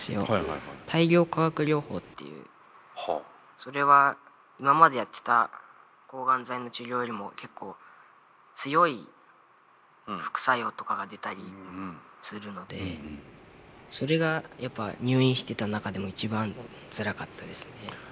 それは今までやってた抗ガン剤の治療よりも結構強い副作用とかが出たりするのでそれがやっぱ入院してた中でも一番つらかったですね。